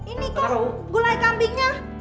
ini kok gulai kambingnya